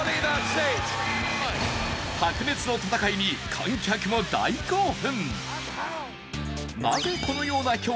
白熱の戦いに観客も大興奮。